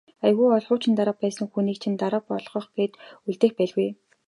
Аягүй бол хуучин дарга байсан хүнийг чинь дарга болгох гээд үлдээх байлгүй.